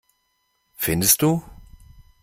Findest du?